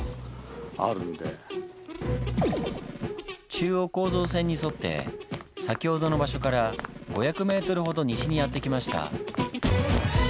中央構造線に沿って先ほどの場所から５００ｍほど西にやって来ました。